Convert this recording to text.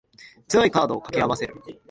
強いカードを掛け合わせる